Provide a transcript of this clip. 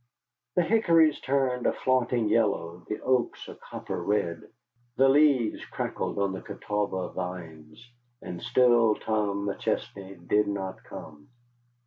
The hickories turned a flaunting yellow, the oaks a copper red, the leaves crackled on the Catawba vines, and still Tom McChesney did not come.